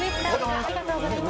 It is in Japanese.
ありがとうございます。